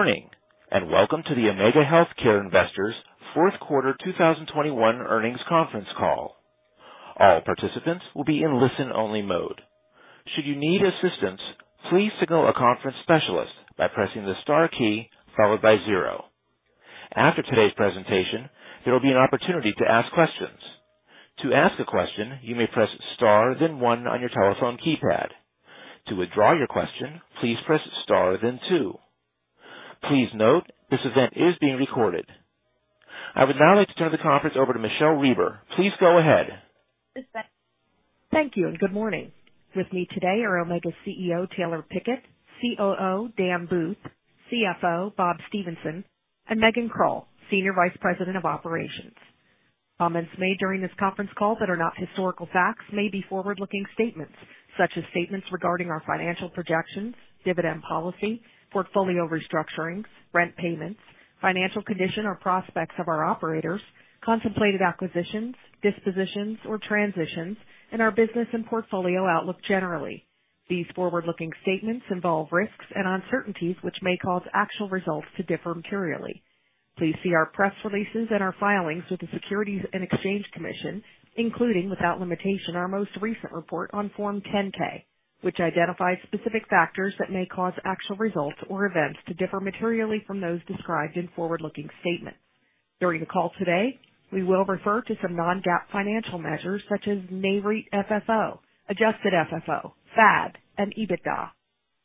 Good morning, and welcome to the Omega Healthcare Investors Fourth Quarter 2021 Earnings Conference Call. All participants will be in listen-only mode. Should you need assistance, please signal a conference specialist by pressing the star key followed by zero. After today's presentation, there will be an opportunity to ask questions. To ask a question, you may press star then one on your telephone keypad. To withdraw your question, please press star then two. Please note, this event is being recorded. I would now like to turn the conference over to Michele Reber. Please go ahead. Thank you, and good morning. With me today are Omega CEO Taylor Pickett, COO Dan Booth, CFO Bob Stephenson, and Megan Krull, Senior Vice President of Operations. Comments made during this conference call that are not historical facts may be forward-looking statements such as statements regarding our financial projections, dividend policy, portfolio restructurings, rent payments, financial condition or prospects of our operators, contemplated acquisitions, dispositions or transitions, and our business and portfolio outlook generally. These forward-looking statements involve risks and uncertainties which may cause actual results to differ materially. Please see our press releases and our filings with the Securities and Exchange Commission, including, without limitation, our most recent report on Form 10-K, which identifies specific factors that may cause actual results or events to differ materially from those described in forward-looking statements. During the call today, we will refer to some non-GAAP financial measures such as NAREIT FFO, adjusted FFO, FAD, and EBITDA.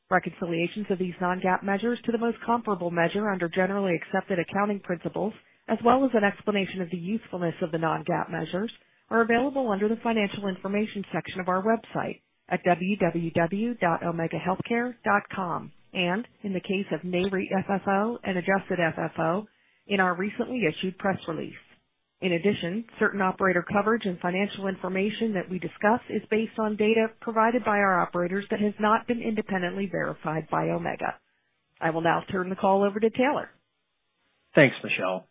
Reconciliations of these non-GAAP measures to the most comparable measure under generally accepted accounting principles, as well as an explanation of the usefulness of the non-GAAP measures, are available under the Financial Information section of our website at www.omegahealthcare.com and, in the case of NAREIT FFO and adjusted FFO, in our recently issued press release. In addition, certain operator coverage and financial information that we discuss is based on data provided by our operators that has not been independently verified by Omega. I will now turn the call over to Taylor. Thanks, Michele.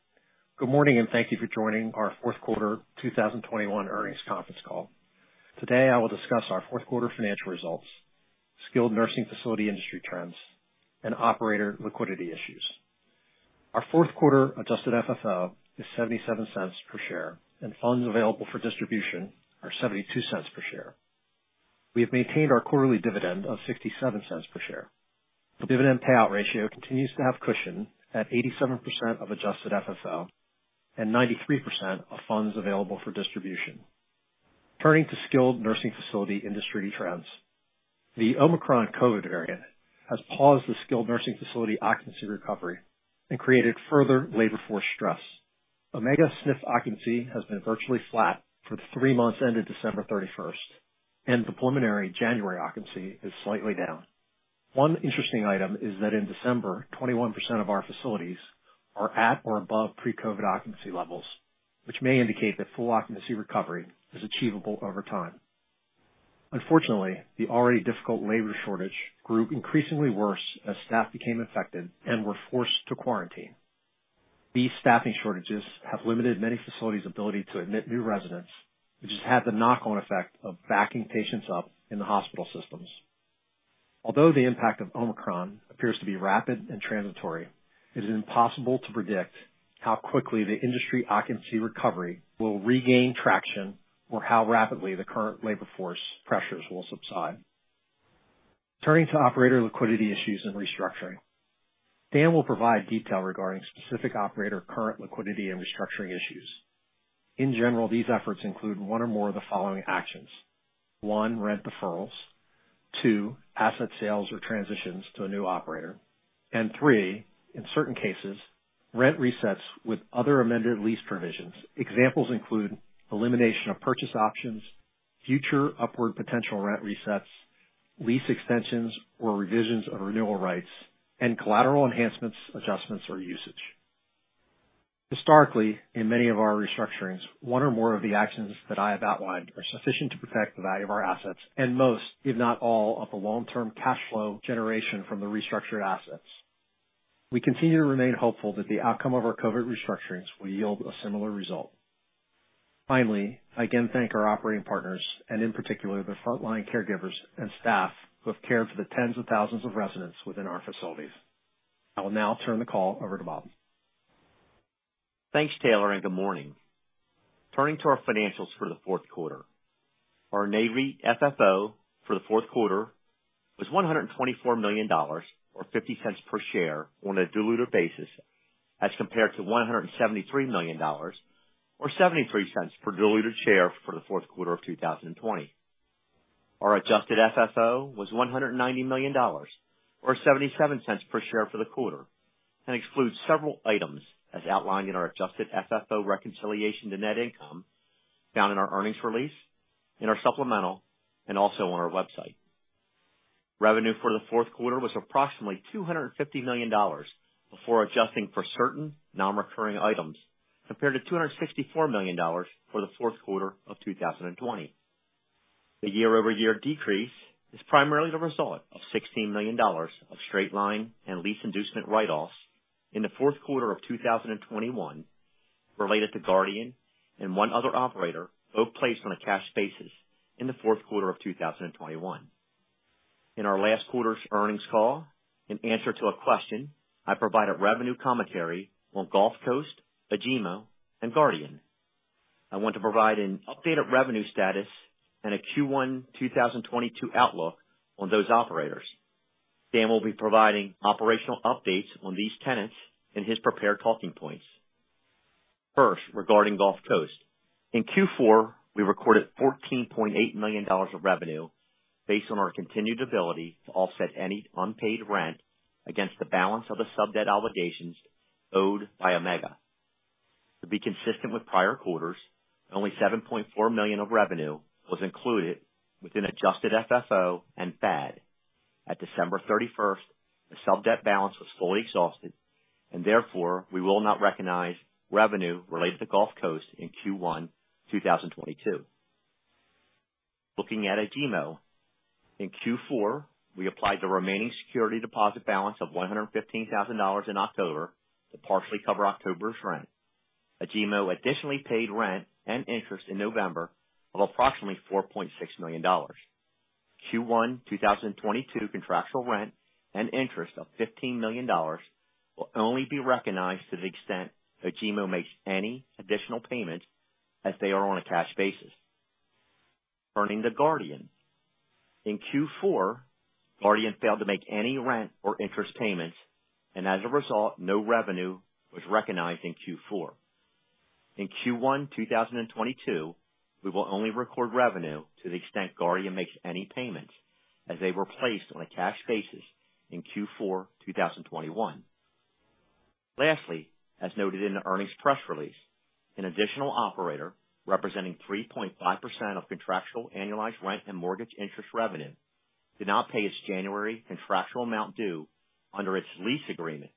Good morning, and thank you for joining our fourth quarter 2021 earnings conference call. Today, I will discuss our fourth quarter financial results, skilled nursing facility industry trends, and operator liquidity issues. Our fourth quarter adjusted FFO is $0.77 per share, and funds available for distribution are $0.72 per share. We have maintained our quarterly dividend of $0.67 per share. The dividend payout ratio continues to have cushion at 87% of adjusted FFO and 93% of funds available for distribution. Turning to skilled nursing facility industry trends. The Omicron COVID variant has paused the skilled nursing facility occupancy recovery and created further labor force stress. Omega SNF occupancy has been virtually flat for the three months ended December 31, and the preliminary January occupancy is slightly down. One interesting item is that in December, 21% of our facilities are at or above pre-COVID occupancy levels, which may indicate that full occupancy recovery is achievable over time. Unfortunately, the already difficult labor shortage grew increasingly worse as staff became infected and were forced to quarantine. These staffing shortages have limited many facilities' ability to admit new residents, which has had the knock-on effect of backing patients up in the hospital systems. Although the impact of Omicron appears to be rapid and transitory, it is impossible to predict how quickly the industry occupancy recovery will regain traction or how rapidly the current labor force pressures will subside. Turning to operator liquidity issues and restructuring. Dan will provide detail regarding specific operator current liquidity and restructuring issues. In general, these efforts include one or more of the following actions. One, rent deferrals. Two, asset sales or transitions to a new operator. Three, in certain cases, rent resets with other amended lease provisions. Examples include elimination of purchase options, future upward potential rent resets, lease extensions or revisions of renewal rights, and collateral enhancements, adjustments, or usage. Historically, in many of our restructurings, one or more of the actions that I have outlined are sufficient to protect the value of our assets and most, if not all, of the long-term cash flow generation from the restructured assets. We continue to remain hopeful that the outcome of our COVID restructurings will yield a similar result. Finally, I again thank our operating partners and, in particular, the frontline caregivers and staff who have cared for the tens of thousands of residents within our facilities. I will now turn the call over to Bob. Thanks, Taylor, and good morning. Turning to our financials for the fourth quarter. Our NAREIT FFO for the fourth quarter was $124 million, or $0.50 per share on a diluted basis, as compared to $173 million or $0.73 per diluted share for the fourth quarter of 2020. Our adjusted FFO was $190 million or $0.77 per share for the quarter and excludes several items as outlined in our adjusted FFO reconciliation to net income found in our earnings release, in our supplemental, and also on our website. Revenue for the fourth quarter was approximately $250 million before adjusting for certain non-recurring items compared to $264 million for the fourth quarter of 2020. The year-over-year decrease is primarily the result of $16 million of straight-line and lease inducement write-offs in the fourth quarter of 2021, related to Guardian and one other operator, both placed on a cash basis in the fourth quarter of 2021. In our last quarter's earnings call, in answer to a question, I provided revenue commentary on Gulf Coast, Agemo and Guardian. I want to provide an updated revenue status and a Q1 2022 outlook on those operators. Dan will be providing operational updates on these tenants in his prepared talking points. First, regarding Gulf Coast. In Q4, we recorded $14.8 million of revenue based on our continued ability to offset any unpaid rent against the balance of the sub-debt obligations owed by Omega. To be consistent with prior quarters, only $7.4 million of revenue was included within adjusted FFO and FAD. At December 31, the sub-debt balance was fully exhausted and therefore, we will not recognize revenue related to Gulf Coast in Q1 2022. Looking at Agemo. In Q4, we applied the remaining security deposit balance of $115,000 in October to partially cover October's rent. Agemo additionally paid rent and interest in November of approximately $4.6 million. Q1 2022 contractual rent and interest of $15 million will only be recognized to the extent Agemo makes any additional payments as they are on a cash basis. Turning to Guardian. In Q4, Guardian failed to make any rent or interest payments, and as a result, no revenue was recognized in Q4. In Q1 2022, we will only record revenue to the extent Guardian makes any payments as they were placed on a cash basis in Q4 2021. Lastly, as noted in the earnings press release, an additional operator representing 3.5% of contractual annualized rent and mortgage interest revenue did not pay its January contractual amount due under its lease agreement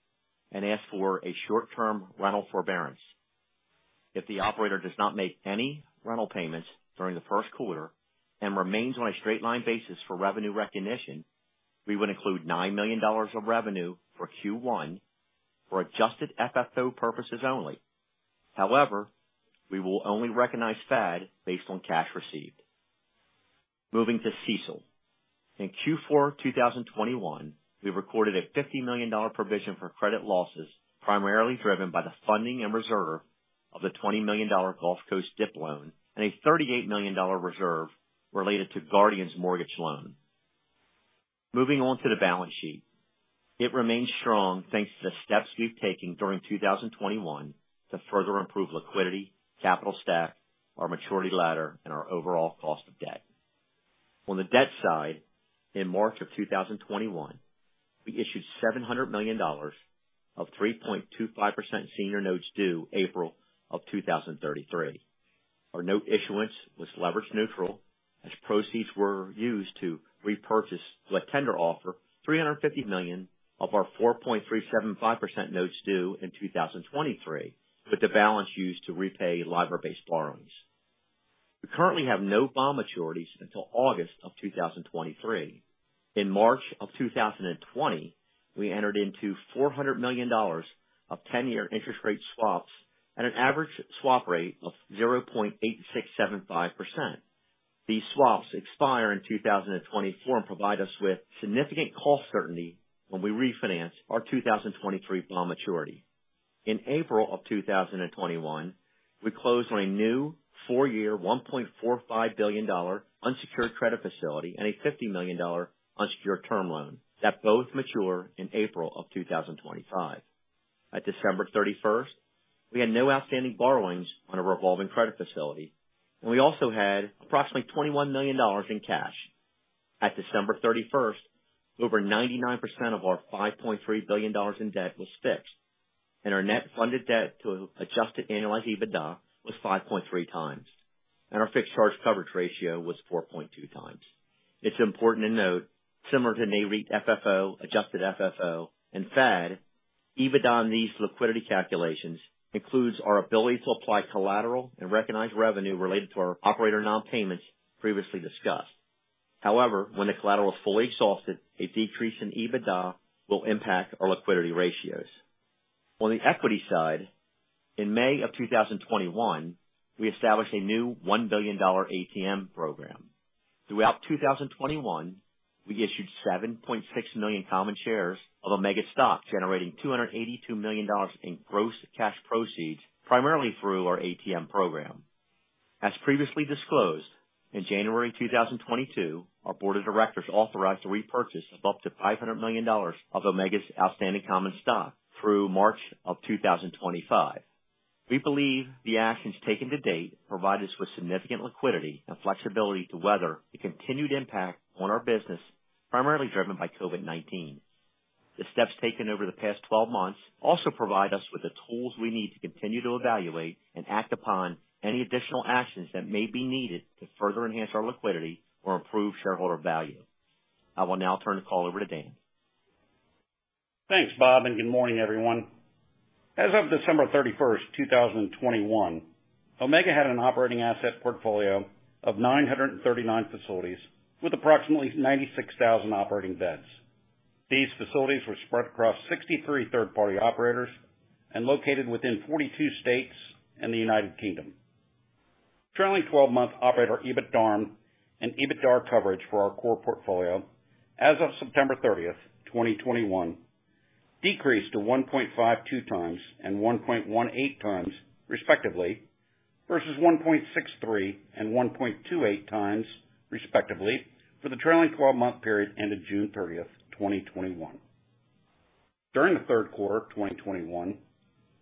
and asked for a short-term rental forbearance. If the operator does not make any rental payments during the first quarter and remains on a straight line basis for revenue recognition, we would include $9 million of revenue for Q1 for Adjusted FFO purposes only. However, we will only recognize FAD based on cash received. Moving to CEC. In Q4 2021, we recorded a $50 million provision for credit losses, primarily driven by the funding and reserve of the $20 million Gulf Coast DIP loan and a $38 million reserve related to Guardian's mortgage loan. Moving on to the balance sheet. It remains strong thanks to the steps we've taken during 2021 to further improve liquidity, capital stack, our maturity ladder and our overall cost of debt. On the debt side, in March 2021, we issued $700 million of 3.25% senior notes due April 2033. Our note issuance was leverage neutral as proceeds were used to repurchase the tender offer, $350 million of our 4.375% notes due in 2023, with the balance used to repay LIBOR-based borrowings. We currently have no bond maturities until August 2023. In March 2020, we entered into $400 million of ten-year interest rate swaps at an average swap rate of 0.8675%. These swaps expire in 2024 and provide us with significant cost certainty when we refinance our 2023 bond maturity. In April 2021, we closed on a new four-year, $1.45 billion unsecured credit facility and a $50 million unsecured term loan that both mature in April 2025. At December 31, we had no outstanding borrowings on a revolving credit facility, and we also had approximately $21 million in cash. At December 31, over 99% of our $5.3 billion in debt was fixed, and our net funded debt to adjusted annualized EBITDA was 5.3 times, and our fixed charge coverage ratio was 4.2 times. It's important to note, similar to NAREIT FFO, adjusted FFO and FAD, EBITDA on these liquidity calculations includes our ability to apply collateral and recognize revenue related to our operator non-payments previously discussed. However, when the collateral is fully exhausted, a decrease in EBITDA will impact our liquidity ratios. On the equity side, in May of 2021, we established a new $1 billion ATM program. Throughout 2021, we issued 7.6 million common shares of Omega stock, generating $282 million in gross cash proceeds, primarily through our ATM program. As previously disclosed, in January 2022, our board of directors authorized the repurchase of up to $500 million of Omega's outstanding common stock through March of 2025. We believe the actions taken to date provide us with significant liquidity and flexibility to weather the continued impact on our business, primarily driven by COVID-19. The steps taken over the past 12 months also provide us with the tools we need to continue to evaluate and act upon any additional actions that may be needed to further enhance our liquidity or improve shareholder value. I will now turn the call over to Dan. Thanks, Bob, and good morning, everyone. As of December 31, 2021, Omega had an operating asset portfolio of 939 facilities with approximately 96,000 operating beds. These facilities were spread across 63 third party operators and located within 42 states and the United Kingdom. Trailing 12-month operator EBITDARM and EBITDAR coverage for our core portfolio as of September 30, 2021 decreased to 1.52 times and 1.18 times respectively versus 1.63 and 1.28 times respectively for the trailing twelve month period ended June 30, 2021. During the third quarter of 2021,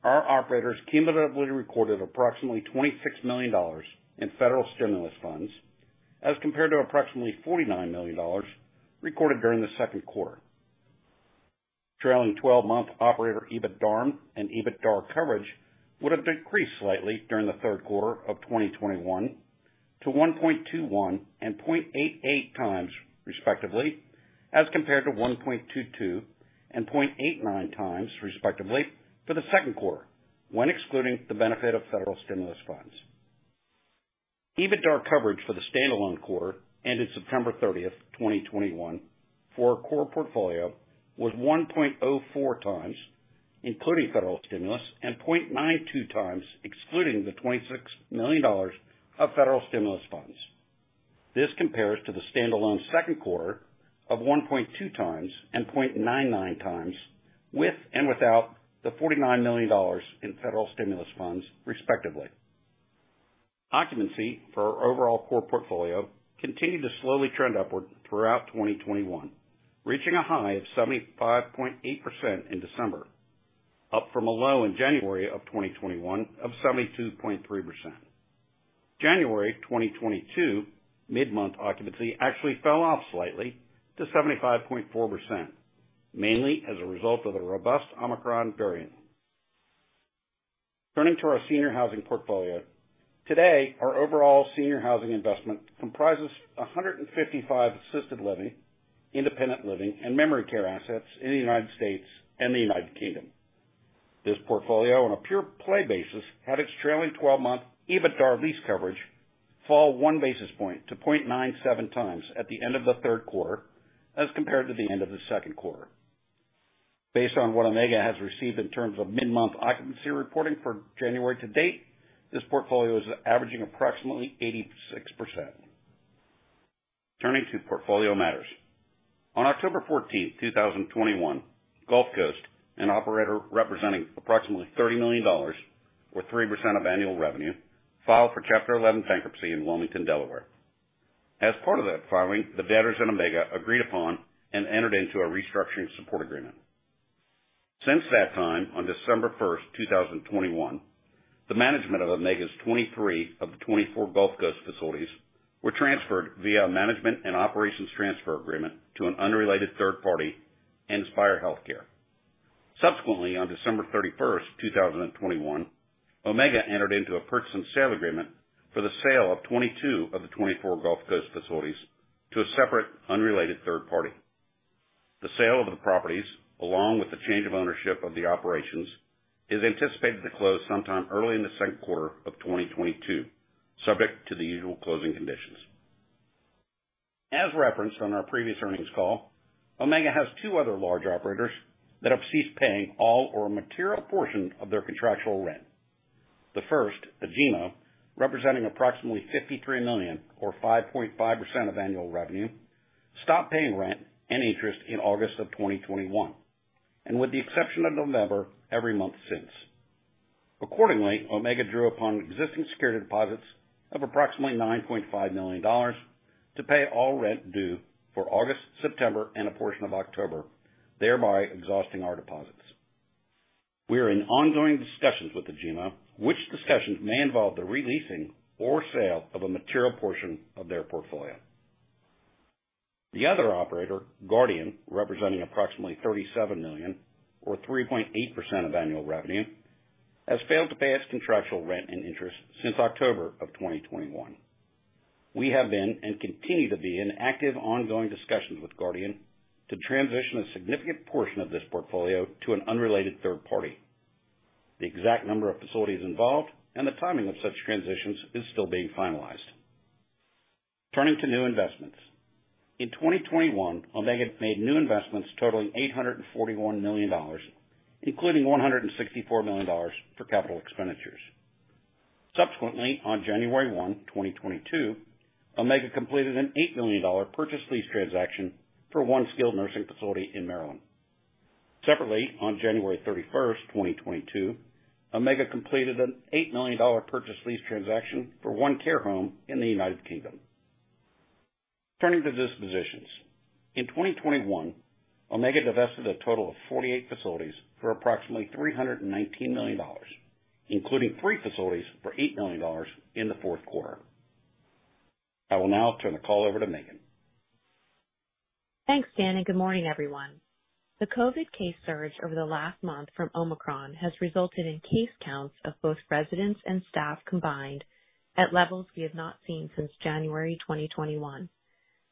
our operators cumulatively recorded approximately $26 million in federal stimulus funds as compared to approximately $49 million recorded during the second quarter. Trailing 12-month operator EBITDARM and EBITDAR coverage would have decreased slightly during the third quarter of 2021 to 1.21 and 0.88 times respectively, as compared to 1.22 and 0.89 times respectively for the second quarter, when excluding the benefit of federal stimulus funds. EBITDAR coverage for the standalone quarter ended September 30, 2021 for our core portfolio was 1.04 times, including federal stimulus, and 0.92 times, excluding the $26 million of federal stimulus funds. This compares to the standalone second quarter of 1.2 times and 0.99 times with and without the $49 million in federal stimulus funds, respectively. Occupancy for our overall core portfolio continued to slowly trend upward throughout 2021, reaching a high of 75.8% in December, up from a low in January 2021 of 72.3%. January 2022 mid-month occupancy actually fell off slightly to 75.4%, mainly as a result of the robust Omicron variant. Turning to our senior housing portfolio. Today, our overall senior housing investment comprises 155 assisted living, independent living and memory care assets in the United States and the United Kingdom. This portfolio, on a pure play basis, had its trailing twelve-month EBITDAR lease coverage fall one basis point to 0.97 times at the end of the third quarter as compared to the end of the second quarter. Based on what Omega has received in terms of mid-month occupancy reporting for January to date, this portfolio is averaging approximately 86%. Turning to portfolio matters. On October 14, 2021, Gulf Coast Health Care, an operator representing approximately $30 million, or 3% of annual revenue, filed for Chapter 11 bankruptcy in Wilmington, Delaware. As part of that filing, the debtors and Omega agreed upon and entered into a restructuring support agreement. Since that time, on December 1, 2021, the management of Omega's 23 of the 24 Gulf Coast Health Care facilities were transferred via a management and operations transfer agreement to an unrelated third party, Inspira Health Group. Subsequently, on December 31, 2021, Omega entered into a purchase and sale agreement for the sale of 22 of the 24 Gulf Coast Health Care facilities to a separate, unrelated third party. The sale of the properties, along with the change of ownership of the operations, is anticipated to close sometime early in the second quarter of 2022, subject to the usual closing conditions. As referenced on our previous earnings call, Omega has two other large operators that have ceased paying all or a material portion of their contractual rent. The first, Agemo, representing approximately $53 million or 5.5% of annual revenue, stopped paying rent and interest in August of 2021, and with the exception of November, every month since. Accordingly, Omega drew upon existing security deposits of approximately $9.5 million to pay all rent due for August, September, and a portion of October, thereby exhausting our deposits. We are in ongoing discussions with Agemo, which discussions may involve the re-leasing or sale of a material portion of their portfolio. The other operator, Guardian, representing approximately $37 million or 3.8% of annual revenue, has failed to pay its contractual rent and interest since October 2021. We have been and continue to be in active, ongoing discussions with Guardian to transition a significant portion of this portfolio to an unrelated third party. The exact number of facilities involved and the timing of such transitions is still being finalized. Turning to new investments. In 2021, Omega made new investments totaling $841 million, including $164 million for capital expenditures. Subsequently, on January 1, 2022, Omega completed an $8 million purchase lease transaction for one skilled nursing facility in Maryland. Separately, on January 31, 2022, Omega completed an $8 million purchase lease transaction for one care home in the United Kingdom. Turning to dispositions. In 2021, Omega divested a total of 48 facilities for approximately $319 million, including three facilities for $8 million in the fourth quarter. I will now turn the call over to Megan. Thanks, Dan, and good morning, everyone. The COVID-19 case surge over the last month from Omicron has resulted in case counts of both residents and staff combined at levels we have not seen since January 2021.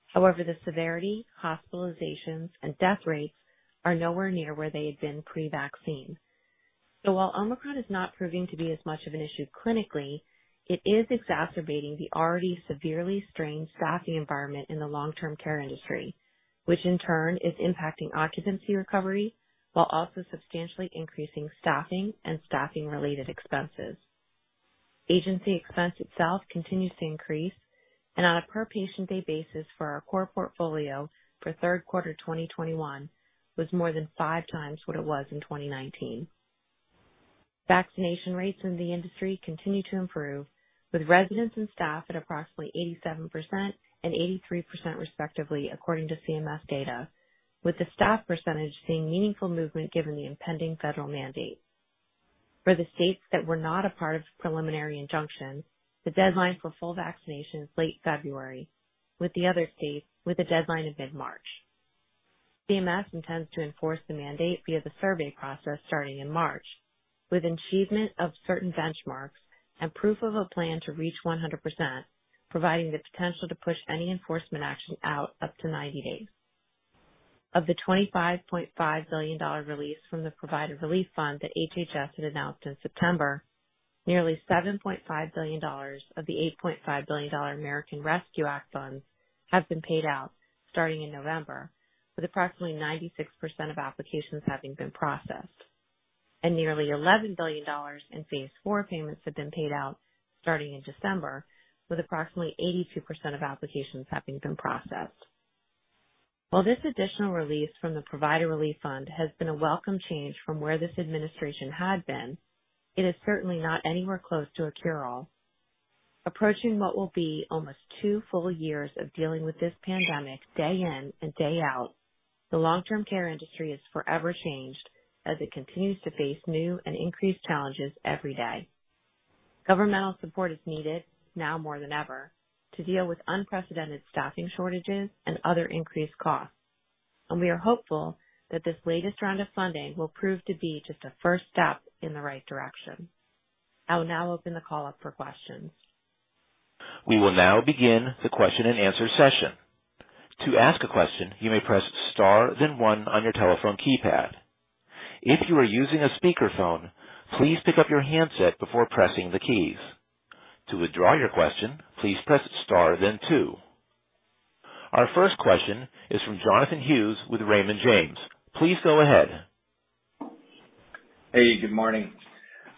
However, the severity, hospitalizations, and death rates are nowhere near where they had been pre-vaccine. While Omicron is not proving to be as much of an issue clinically, it is exacerbating the already severely strained staffing environment in the long-term care industry, which in turn is impacting occupancy recovery while also substantially increasing staffing and staffing-related expenses. Agency expense itself continues to increase and on a per patient day basis for our core portfolio for third quarter 2021 was more than five times what it was in 2019. Vaccination rates in the industry continue to improve, with residents and staff at approximately 87% and 83%, respectively, according to CMS data, with the staff percentage seeing meaningful movement given the impending federal mandate. For the states that were not a part of preliminary injunction, the deadline for full vaccination is late February, with the other states with a deadline in mid-March. CMS intends to enforce the mandate via the survey process starting in March, with achievement of certain benchmarks and proof of a plan to reach 100%, providing the potential to push any enforcement action out up to 90 days. Of the $25.5 billion release from the Provider Relief Fund that HHS had announced in September, nearly $7.5 billion of the $8.5 billion American Rescue Plan Act funds have been paid out starting in November, with approximately 96% of applications having been processed. Nearly $11 billion in phase four payments have been paid out starting in December, with approximately 82% of applications having been processed. While this additional release from the Provider Relief Fund has been a welcome change from where this administration had been, it is certainly not anywhere close to a cure-all. Approaching what will be almost two full years of dealing with this pandemic day in and day out, the long-term care industry is forever changed as it continues to face new and increased challenges every day. Governmental support is needed now more than ever to deal with unprecedented staffing shortages and other increased costs. We are hopeful that this latest round of funding will prove to be just a first step in the right direction. I will now open the call up for questions. We will now begin the question-and-answer session. To ask a question, you may press star, then one on your telephone keypad. If you are using a speakerphone, please pick up your handset before pressing the keys. To withdraw your question, please press star then two. Our first question is from Jonathan Hughes with Raymond James. Please go ahead. Hey, good morning.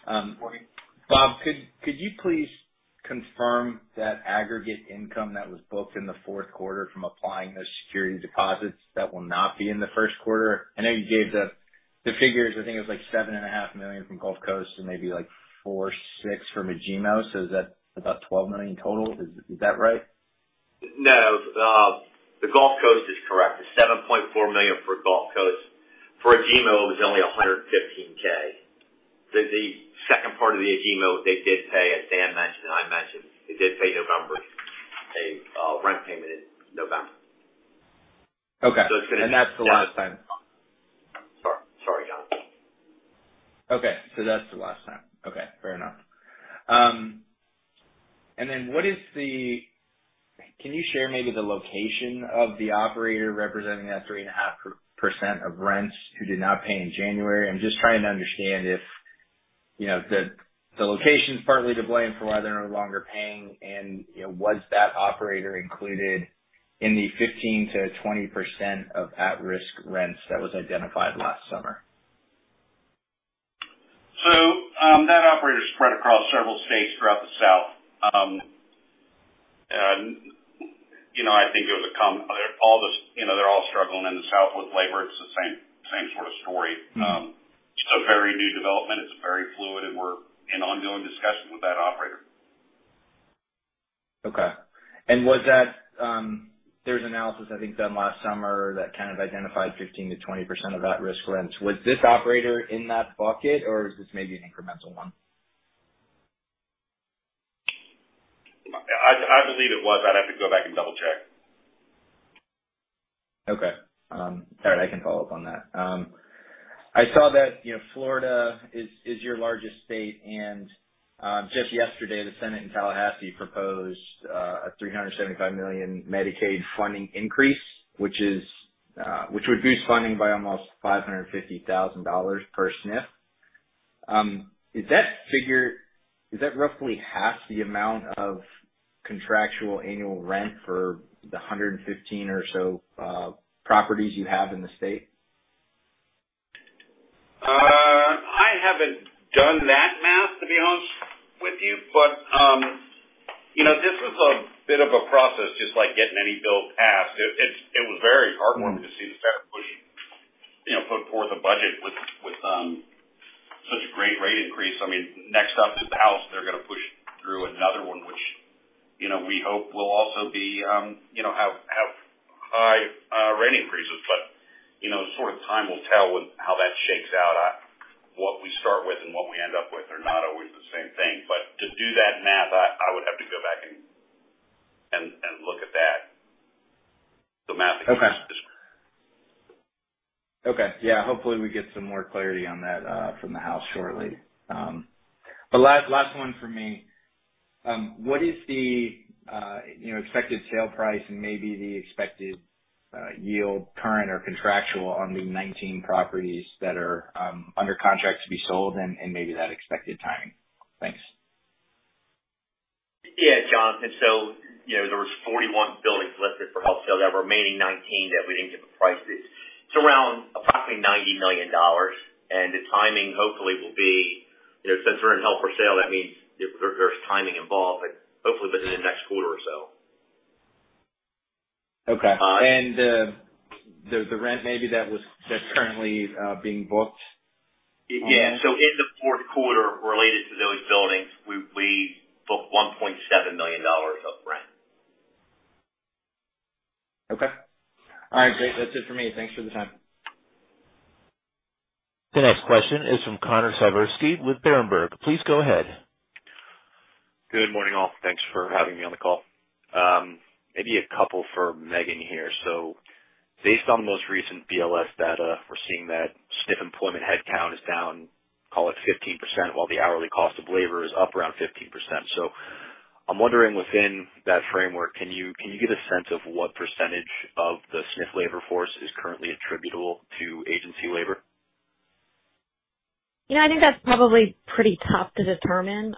Good morning. Bob, could you please confirm that aggregate income that was booked in the fourth quarter from applying the security deposits that will not be in the first quarter? I know you gave the figures. I think it was, like, $7.5 million from Gulf Coast and maybe, like, four to six from Agemo. Is that about $12 million total? Is that right? No. The Gulf Coast is correct. It's $7.4 million for Gulf Coast. For Agemo, it was only $115K. The second part of the Agemo, they did pay, as Dan mentioned and I mentioned, they did pay November's rent payment in November. Okay. It's gonna. That's the last time. Sorry, Jonathan. Okay. That's the last time. Okay, fair enough. Can you share maybe the location of the operator representing that 3.5% of rents who did not pay in January? I'm just trying to understand if, you know, the location's partly to blame for why they're no longer paying and, you know, was that operator included in the 15%-20% of at-risk rents that was identified last summer. That operator is spread across several states throughout the South. They're all struggling in the South with labor. It's the same sort of story. It's a very new development, it's very fluid, and we're in ongoing discussions with that operator. Okay. Was that, there's analysis I think done last summer that kind of identified 15%-20% of at-risk rents. Was this operator in that bucket or is this maybe an incremental one? I believe it was. I'd have to go back and double-check. Okay. All right, I can follow up on that. I saw that, you know, Florida is your largest state and just yesterday, the Senate in Tallahassee proposed a $375 million Medicaid funding increase, which would boost funding by almost $550,000 per SNF. Is that figure roughly half the amount of contractual annual rent for the 115 or so properties you have in the state? I haven't done that math, to be honest with you. You know, this was a bit of a process, just like getting any bill passed. It was very heartwarming to see the Senate pushing, you know, put forth a budget with such a great rate increase. I mean, next up is the House. They're gonna push through another one, which, you know, we hope will also be, you know, have high rate increases. You know, sort of time will tell with how that shakes out. What we start with and what we end up with are not always the same thing. To do that math, I would have to go back and look at that. The math is- Okay. Yeah. Hopefully we get some more clarity on that from the House shortly. The last one for me. What is the, you know, expected sale price and maybe the expected yield current or contractual on the 19 properties that are under contract to be sold and maybe that expected timing? Thanks. Yeah, Jonathan. There was 41 buildings listed for held for sale. That remaining 19 that we didn't give the price is around approximately $90 million. The timing hopefully will be, you know, since we're in held for sale, that means there's timing involved, but hopefully within the next quarter or so. Okay. The rent that's currently being booked on? Yeah. In the fourth quarter related to those buildings, we booked $1.7 million of rent. Okay. All right, great. That's it for me. Thanks for the time. The next question is from Connor Siversky with Berenberg. Please go ahead. Good morning, all. Thanks for having me on the call. Maybe a couple for Megan here. Based on the most recent BLS data, we're seeing that SNF employment headcount is down, call it 15%, while the hourly cost of labor is up around 15%. I'm wondering within that framework, can you get a sense of what percentage of the SNF labor force is currently attributable to agency labor? I think that's probably pretty tough to determine.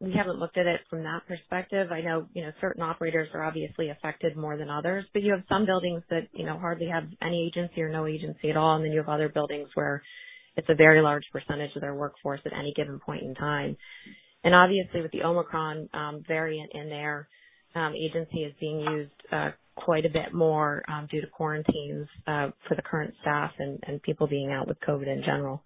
We haven't looked at it from that perspective. I know, you know, certain operators are obviously affected more than others, but you have some buildings that, you know, hardly have any agency or no agency at all, and then you have other buildings where it's a very large percentage of their workforce at any given point in time. Obviously with the Omicron variant in there, agency is being used quite a bit more due to quarantines for the current staff and people being out with COVID in general.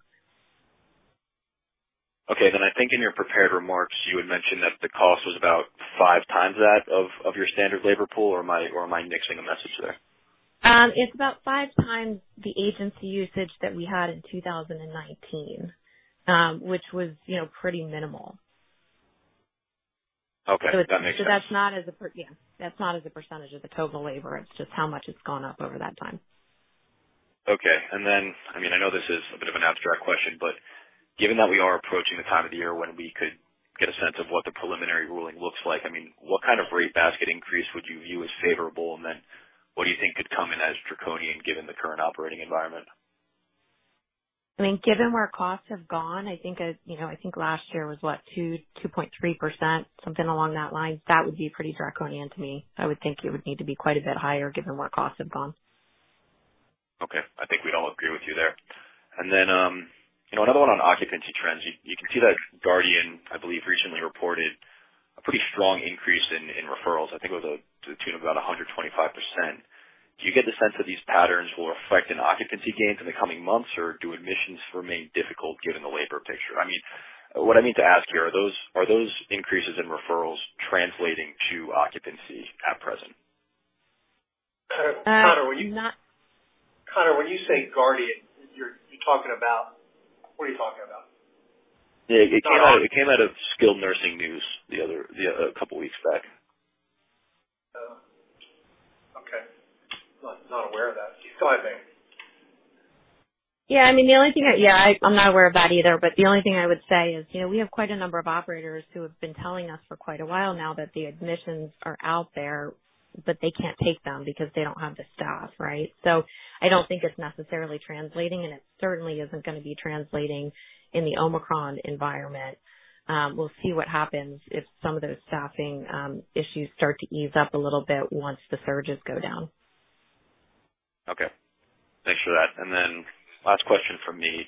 Okay. I think in your prepared remarks, you had mentioned that the cost was about five times that of your standard labor pool, or am I mixing a message there? It's about five times the agency usage that we had in 2019, which was, you know, pretty minimal. Okay. That makes sense. That's not as a percentage of the total labor, it's just how much it's gone up over that time. Okay. I mean, I know this is a bit of an abstract question, but given that we are approaching the time of the year when we could get a sense of what the preliminary ruling looks like, I mean, what kind of rate basket increase would you view as favorable? What do you think could come in as draconian given the current operating environment? I mean, given where costs have gone, I think last year was what, 2.3%, something along that line. That would be pretty draconian to me. I would think it would need to be quite a bit higher given where costs have gone. Okay. I think we'd all agree with you there. Then, you know, another one on occupancy trends. You can see that Guardian, I believe, recently reported a pretty strong increase in referrals. I think it was to the tune of about 125%. Do you get the sense that these patterns will affect an occupancy gain in the coming months, or do admissions remain difficult given the labor picture? I mean, what I mean to ask here, are those increases in referrals translating to occupancy at present? Connor, when you- Not- Connor, when you say Guardian, you're talking about, what are you talking about? Yeah, it came out of Skilled Nursing News a couple weeks back. Oh, okay. Not aware of that. Go ahead, Megan. I'm not aware of that either, but the only thing I would say is, you know, we have quite a number of operators who have been telling us for quite a while now that the admissions are out there, but they can't take them because they don't have the staff, right? So I don't think it's necessarily translating, and it certainly isn't gonna be translating in the Omicron environment. We'll see what happens if some of those staffing issues start to ease up a little bit once the surges go down. Okay. Thanks for that. Last question from me,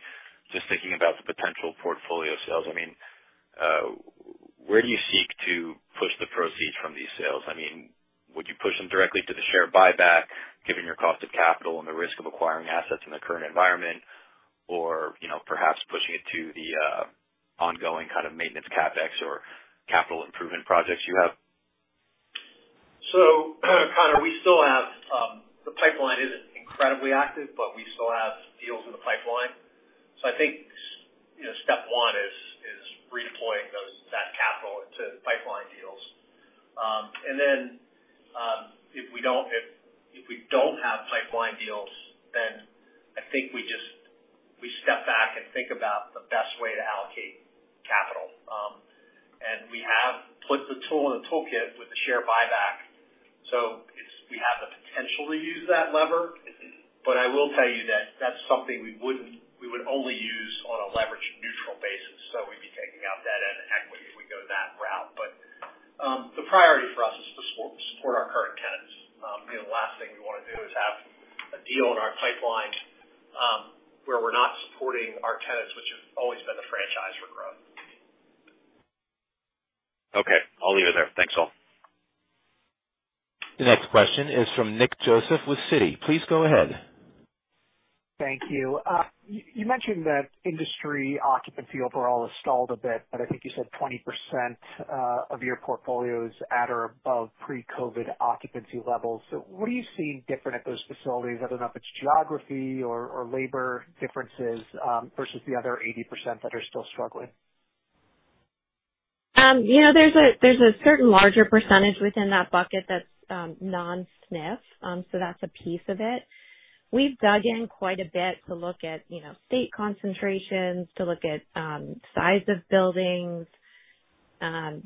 just thinking about the potential portfolio sales. I mean, where do you seek to push the proceeds from these sales? I mean, would you push them directly to the share buyback, given your cost of capital and the risk of acquiring assets in the current environment? Or, you know, perhaps pushing it to the ongoing kind of maintenance CapEx or capital improvement projects you have? Connor, the pipeline isn't incredibly active, but we still have deals in the pipeline. I think you know, step one is redeploying that capital into pipeline deals. If we don't have pipeline deals, then I think we step back and think about the best way to allocate capital. We have put the tool in the toolkit with the share buyback. We have the potential to use that lever, but I will tell you that that's something we would only use on a leverage-neutral basis. We'd be taking out debt as an equity if we go that route. The priority for us is to support our current tenants. The last thing we wanna do is have a deal in our pipeline, where we're not supporting our tenants, which have always been the franchise for growth. Okay. I'll leave it there. Thanks, all. The next question is from Nick Joseph with Citi. Please go ahead. Thank you. You mentioned that industry occupancy overall has stalled a bit, but I think you said 20% of your portfolio is at or above pre-COVID occupancy levels. What are you seeing different at those facilities? I don't know if it's geography or labor differences versus the other 80% that are still struggling? There's a certain larger percentage within that bucket that's non-SNF, so that's a piece of it. We've dug in quite a bit to look at, you know, state concentrations, to look at, size of buildings,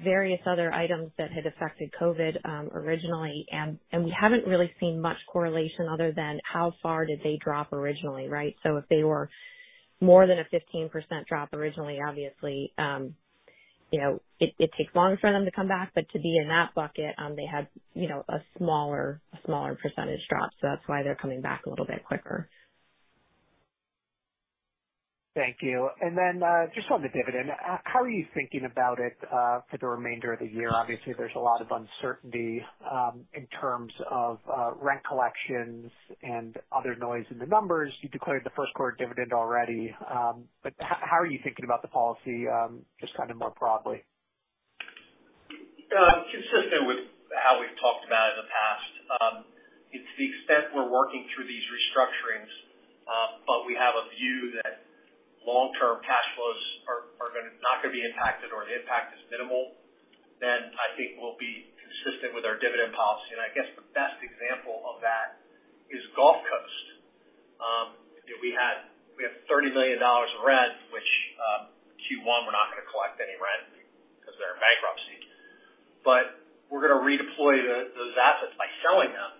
various other items that had affected COVID, originally. We haven't really seen much correlation other than how far did they drop originally, right? If they were more than a 15% drop originally, obviously, you know, it takes longer for them to come back. To be in that bucket, they had, you know, a smaller percentage drop. That's why they're coming back a little bit quicker. Thank you. Then, just on the dividend, how are you thinking about it, for the remainder of the year? Obviously, there's a lot of uncertainty, in terms of, rent collections and other noise in the numbers. You declared the first quarter dividend already. How are you thinking about the policy, just kind of more broadly? Consistent with how we've talked about it in the past. To the extent we're working through these restructurings, but we have a view that long-term cash flows are not gonna be impacted or the impact is minimal, then I think we'll be consistent with our dividend policy. I guess the best example of that is Gulf Coast. You know, we have $30 million in rent, which, Q1, we're not gonna collect any rent because they're in bankruptcy. We're gonna redeploy those assets by selling them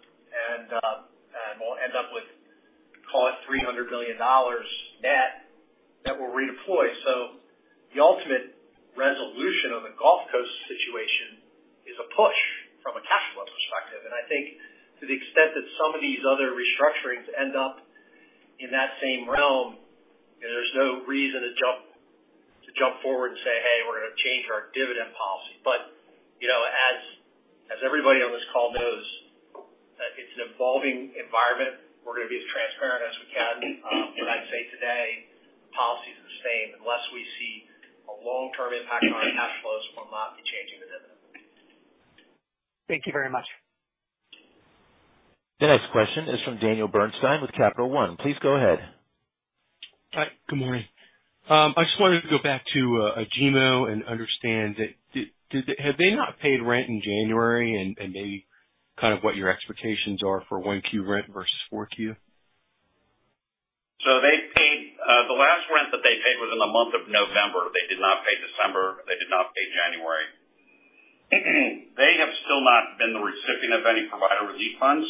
and we'll end up with, call it $300 million net that we'll redeploy. The ultimate resolution of the Gulf Coast situation is a push from a cash flow perspective. I think to the extent that some of these other restructurings end up in that same realm, you know, there's no reason to jump forward and say, "Hey, we're gonna change our dividend policy." But, you know, as everybody on this call knows, it's an evolving environment. We're gonna be as transparent as we can. But I'd say today, policy's the same. Unless we see a long-term impact on our cash flows, we'll not be changing the dividend. Thank you very much. The next question is from Daniel Bernstein with Capital One. Please go ahead. Hi, good morning. I just wanted to go back to Agemo and understand that. Have they not paid rent in January, and any kind of what your expectations are for 1Q rent versus 4Q? They paid the last rent that they paid was in the month of November. They did not pay December, they did not pay January. They have still not been the recipient of any Provider Relief Funds.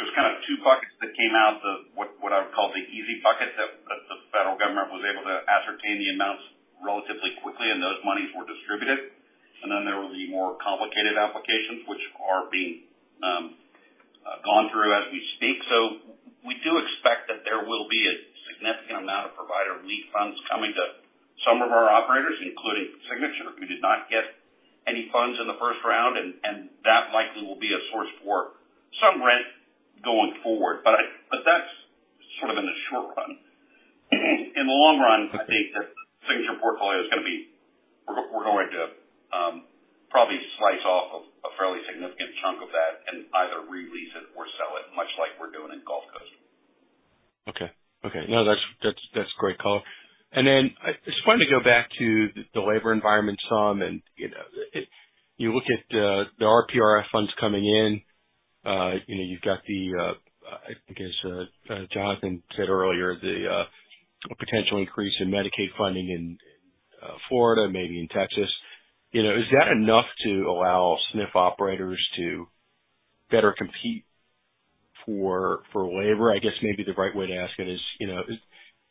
There's kind of two buckets that came out of what I would call the easy bucket, that the federal government was able to ascertain the amounts relatively quickly, and those monies were distributed. There will be more complicated applications which are being gone through as we speak. We do expect that there will be a significant amount of Provider Relief Funds coming to some of our operators, including Signature, who did not get any funds in the first round. That likely will be a source for some rent going forward. But that's sort of in the short run. In the long run, I think that Signature portfolio is gonna be. We're going to probably slice off a fairly significant chunk of that and either re-lease it or sell it, much like we're doing in Gulf Coast. Okay. No, that's a great call. I just wanted to go back to the labor environment some. You look at the PRF funds coming in. You know, you've got the, I guess, Jonathan said earlier the potential increase in Medicaid funding in Florida, maybe in Texas. You know, is that enough to allow SNF operators to better compete for labor? I guess maybe the right way to ask it is, you know,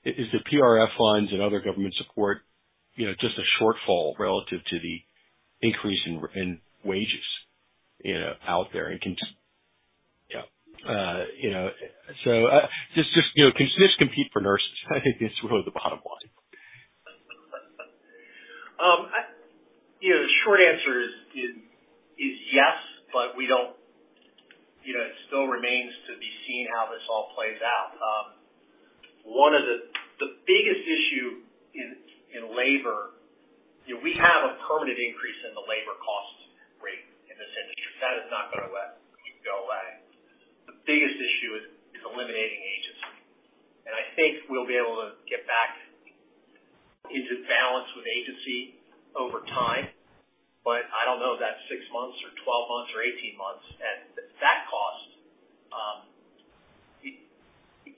is the PRF funds and other government support, you know, just a shortfall relative to the increase in wages, you know, out there and can. Yeah. You know, so just, you know, can SNFs compete for nurses? I think that's really the bottom line. The short answer is yes, but you know, it still remains to be seen how this all plays out. One of the biggest issues in labor, you know, we have a permanent increase in the labor cost rate in this industry. That is not gonna let go away. The biggest issue is eliminating agency. I think we'll be able to get back into balance with agency over time, but I don't know if that's six months or 12 months or 18 months. That cost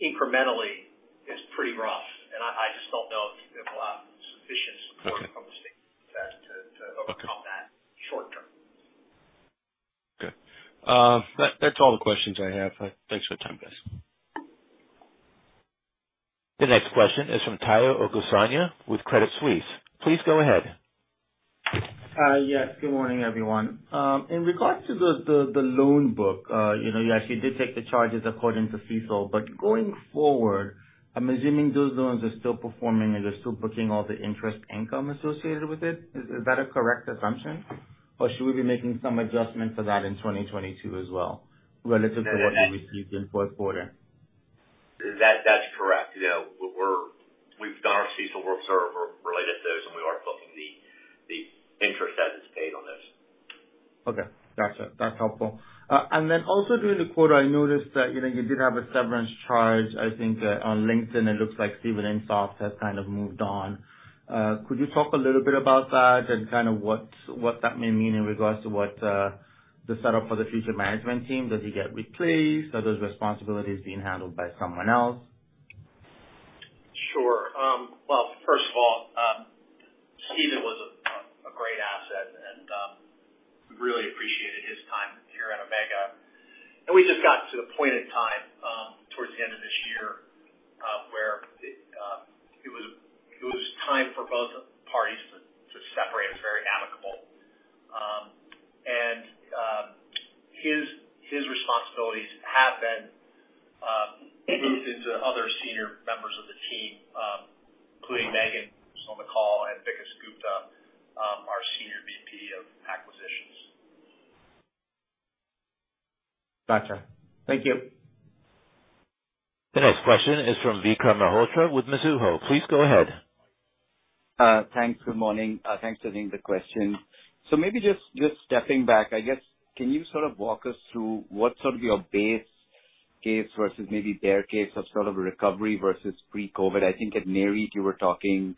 incrementally is pretty rough, and I just don't know if we have sufficient support. Okay. From the state to overcome that short term. Okay. That's all the questions I have. Thanks for your time, guys. The next question is from Tayo Okusanya with Credit Suisse. Please go ahead. Yes, good morning, everyone. In regard to the loan book, you know, you actually did take the charges according to CECL. Going forward, I'm assuming those loans are still performing and you're still booking all the interest income associated with it. Is that a correct assumption? Or should we be making some adjustment for that in 2022 as well relative to what you received in fourth quarter? That, that's correct. You know, we've done our CECL reserve related to those, and we are booking the interest as it's earned. Okay. Gotcha. That's helpful. Also during the quarter, I noticed that, you know, you did have a severance charge, I think, on LinkedIn. It looks like Steven Insoft has kind of moved on. Could you talk a little bit about th at and kind of what that may mean in regards to what the setup for the future management team? Does he get replaced? Are those responsibilities being handled by someone else? Sure. Well, first of all, Steven was a great asset, and we really appreciated his time here at Omega. We just got to a point in time towards the end of this year where it was time for both parties to separate. It was very amicable. His responsibilities have been moved into other senior members of the team, including Megan, who's on the call, and Vikas Gupta, our Senior VP of Acquisitions. Gotcha. Thank you. The next question is from Vikram Malhotra with Mizuho. Please go ahead. Thanks. Good morning. Thanks for taking the question. Maybe just stepping back, I guess, can you sort of walk us through what's sort of your base case versus maybe bear case of sort of a recovery versus pre-COVID? I think at NAREIT you were talking,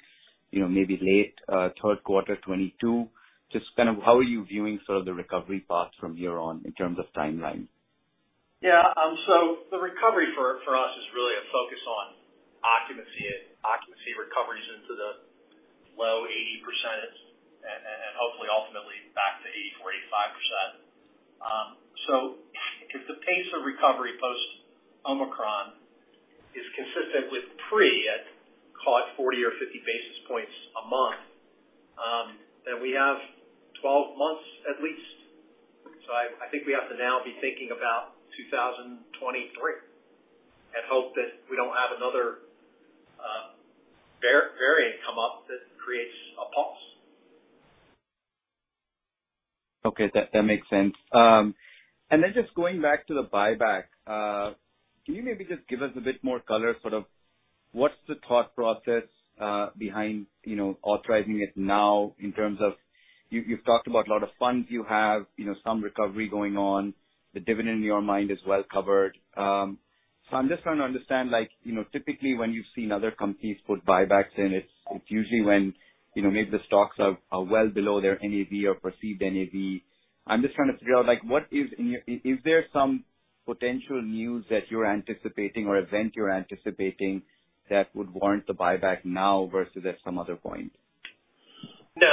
you know, maybe late, third quarter 2022. Just kind of how are you viewing sort of the recovery path from here on in terms of timeline? The recovery for us is really a focus on occupancy and occupancy recoveries into the low 80%s, and hopefully ultimately back to 84.5%. If the pace of recovery post Omicron is consistent with pre at call it 40 or 50 basis points a month, then we have 12 months at least. I think we have to now be thinking about 2023 and hope that we don't have another variant come up that creates a pause. Okay. That makes sense. Just going back to the buyback. Can you maybe just give us a bit more color, sort of what's the thought process behind, you know, authorizing it now in terms of you've talked about a lot of funds you have, you know, some recovery going on. The dividend in your mind is well covered. I'm just trying to understand, like, you know, typically when you've seen other companies put buybacks in, it's usually when, you know, maybe the stocks are well below their NAV or perceived NAV. I'm just trying to figure out, like, what is in your mind. Is there some potential news that you're anticipating or event you're anticipating that would warrant the buyback now versus at some other point? No.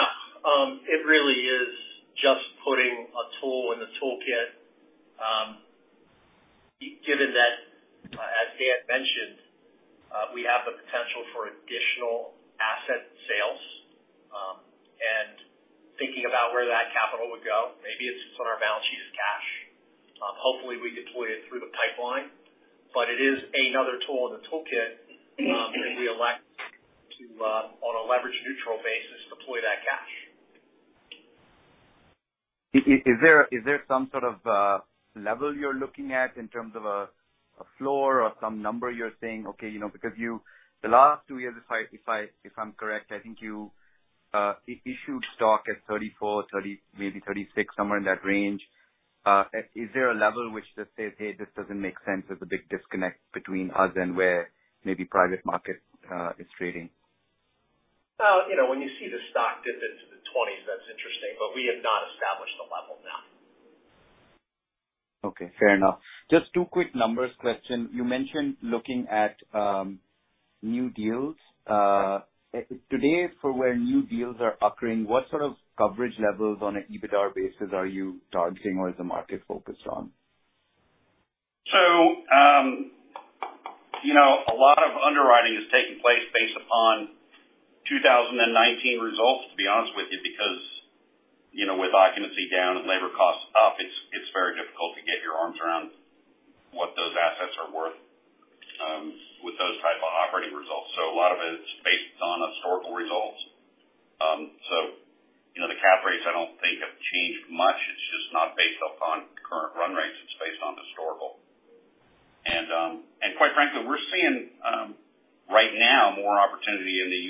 It really is just putting a tool in the toolkit, given that, as Dan mentioned, we have the potential for additional asset sales, and thinking about where that capital would go. Maybe it's just on our balance sheet as cash. Hopefully we deploy it through the pipeline, but it is another tool in the toolkit that we elect to, on a leverage neutral basis, deploy that cash. Is there some sort of level you're looking at in terms of a floor or some number you're saying, okay, you know, because the last two years, if I'm correct, I think you issued stock at $34, $30, maybe $36, somewhere in that range. Is there a level which just says, "Hey, this doesn't make sense. There's a big disconnect between us and where maybe private market is trading. You know, when you see the stock dip into the $20s, that's interesting, but we have not established a level, no. Okay. Fair enough. Just two quick numbers question. You mentioned looking at, new deals. Today for where new deals are occurring, what sort of coverage levels on an EBITDA basis are you targeting or is the market focused on? A lot of underwriting is taking place based upon 2019 results, to be honest with you, because, you know, with occupancy down and labor costs up, it's very difficult to get your arms around what those assets are worth, with those type of operating results. A lot of it is based on historical results. You know, the cap rates I don't think have changed much. It's just not based off on current run rates, it's based on historical. Quite frankly, we're seeing right now more opportunity in the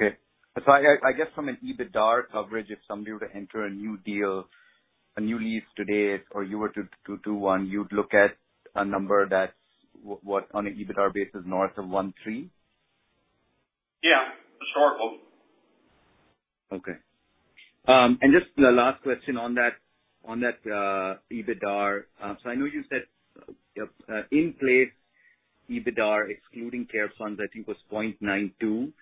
U.K. than we are in the U.S.. I guess from an EBITDA coverage, if somebody were to enter a new deal, a new lease today, or you were to do one, you'd look at a number that's what, on an EBITDA basis north of 1.3? Yeah. Historical. Okay. Just the last question on that EBITDA. I know you said in place EBITDA excluding CARES funds, I think was 0.92.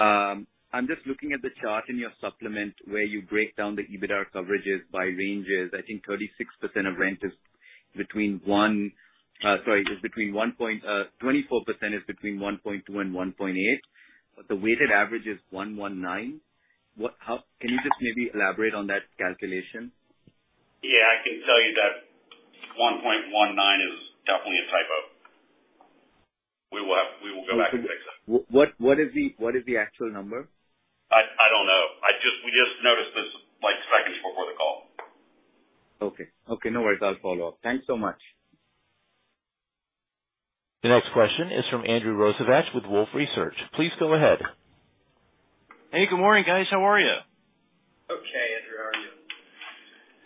I'm just looking at the chart in your supplement where you break down the EBITDA coverages by ranges. I think 36% of rent is between 1. 24% is between 1.2 and 1.8. The weighted average is 1.19. Can you just maybe elaborate on that calculation? Yeah. I can tell you that 1.19 is definitely a typo. We will go back and fix that. What is the actual number? I don't know. We just noticed this. Okay. Okay, no worries. I'll follow up. Thanks so much. The next question is from Andrew Rosivach with Wolfe Research. Please go ahead. Hey, good morning, guys. How are you? Okay, Andrew, how are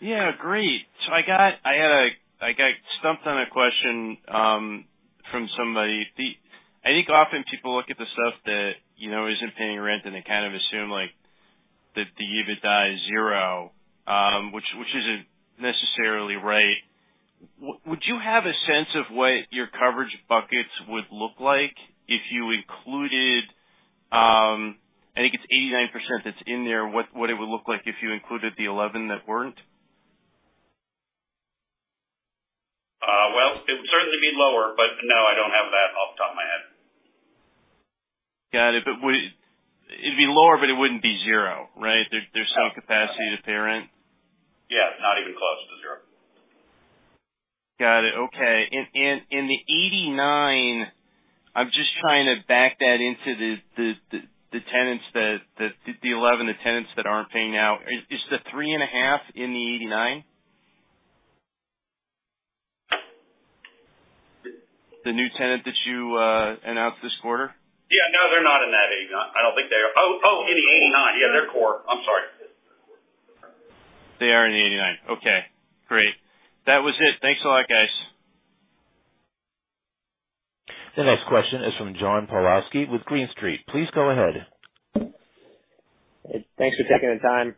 you? Yeah, great. I got stumped on a question from somebody. I think often people look at the stuff that, you know, isn't paying rent and they kind of assume, like, that the EBITDA is zero, which isn't necessarily right. Would you have a sense of what your coverage buckets would look like if you included, I think it's 89% that's in there. What it would look like if you included the 11 that weren't? Well, it would certainly be lower, but no, I don't have that off the top of my head. Got it. It'd be lower, but it wouldn't be zero, right? There's some capacity to pay rent. Yeah. Not even close to zero. Got it. Okay. In the 89, I'm just trying to back that into the tenants that. The 11 tenants that aren't paying out. Is the 3.5 in the 89? The new tenant that you announced this quarter? Yeah. No, they're not in that 89. I don't think they are. Oh, in the 89. Yeah, they're core. I'm sorry. They are in the 89. Okay, great. That was it. Thanks a lot, guys. The next question is from John Pawlowski with Green Street. Please go ahead. Thanks for taking the time.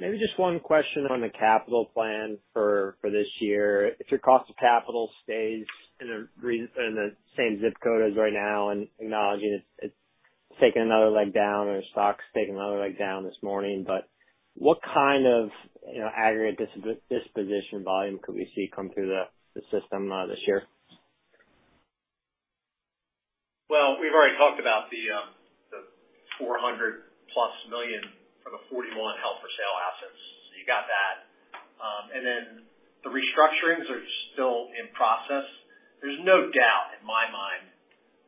Maybe just one question on the capital plan for this year. If your cost of capital stays in the same zip code as right now and acknowledging it's taken another leg down or stock's taken another leg down this morning, but what kind of, you know, aggregate disposition volume could we see come through the system this year? Well, we've already talked about the $400+ million for the 41 held-for-sale assets. You got that. The restructurings are still in process. There's no doubt in my mind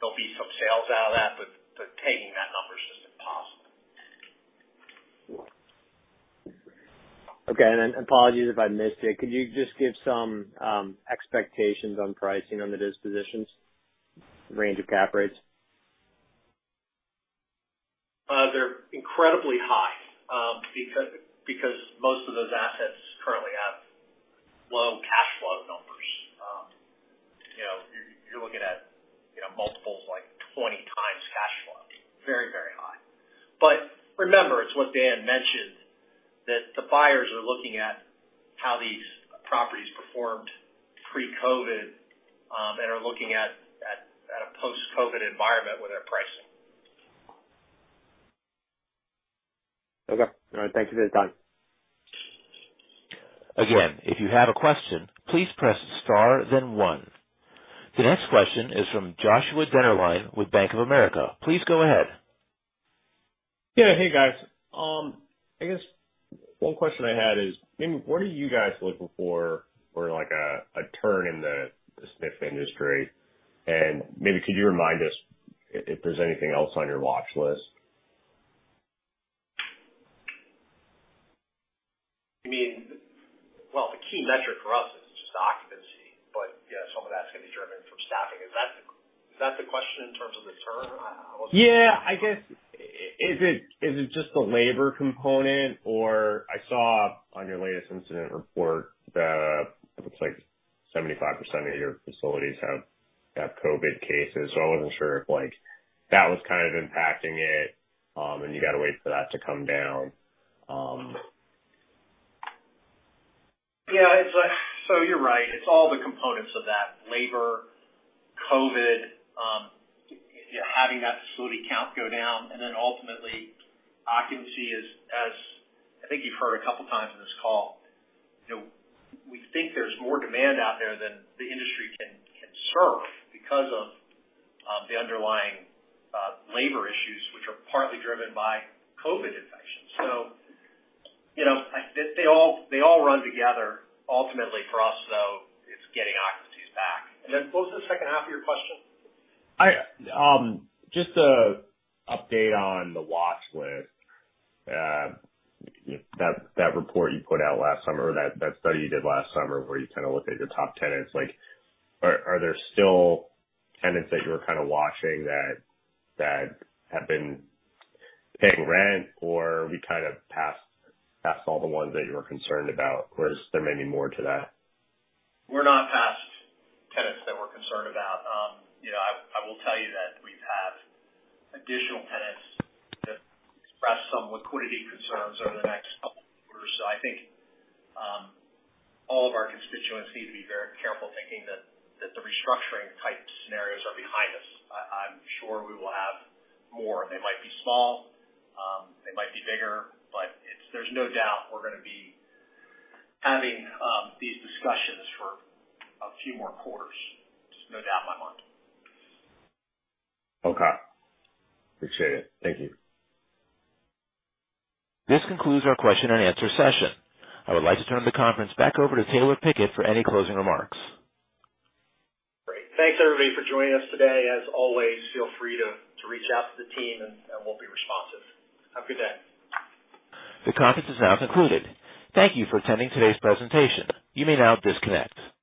there'll be some sales out of that, but taking that number's just impossible. Okay. Apologies if I missed it. Could you just give some expectations on pricing on the dispositions, range of cap rates? They're incredibly high because most of those assets currently have low cash flow numbers. You know, you're looking at, you know, multiples like 20x cash flow. Very high. Remember, it's what Dan mentioned, that the buyers are looking at how these properties performed pre-COVID and are looking at a post-COVID environment with their pricing. Okay. All right. Thank you for the time. Again, if you have a question, please press star then one. The next question is from Joshua Dennerlein with Bank of America. Please go ahead. Yeah. Hey, guys. I guess one question I had is, maybe what are you guys looking for for like a turn in the SNF industry? Maybe could you remind us if there's anything else on your watch list? I mean, well, the key metric for us is just occupancy, but, you know, some of that's gonna be driven from staffing. Is that the question in terms of the turn? I wasn't- Yeah, I guess. Is it just the labor component? Or I saw on your latest incident report that it looks like 75% of your facilities have COVID cases. So I wasn't sure if, like, that was kind of impacting it, and you gotta wait for that to come down. Yeah, it's like. You're right. It's all the components of that labor, COVID, you know, having that facility count go down and then ultimately occupancy is as. I think you've heard a couple times in this call, you know we think there's more demand out there than the industry can serve because of the underlying labor issues, which are partly driven by COVID infections. I think they all run together ultimately for us, so it's getting occupancies back. Then what was the second half of your question? Just an update on the watch list. That report you put out last summer or that study you did last summer where you kind of looked at the top tenants, like are there still tenants that you were kind of watching that have been paying rent or we kind of passed all the ones that you were concerned about? Or is there maybe more to that? We're not past tenants that we're concerned about. You know, I will tell you that we've had additional tenants that expressed some liquidity concerns over the next couple of quarters. I think all of our constituents need to be very careful thinking that the restructuring type scenarios are behind us. I'm sure we will have more. They might be small, they might be bigger, but there's no doubt we're gonna be having these discussions for a few more quarters. There's no doubt in my mind. Okay. I appreciate it. Thank you. This concludes our question and answer session. I would like to turn the conference back over to Taylor Pickett for any closing remarks. Great. Thanks everybody for joining us today. As always, feel free to reach out to the team and we'll be responsive. Have a good day. The conference is now concluded. Thank you for attending today's presentation. You may now disconnect.